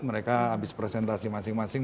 mereka habis presentasi masing masing